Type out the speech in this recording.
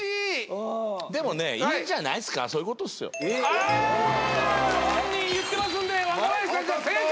あ本人言ってますんで若林さん正解！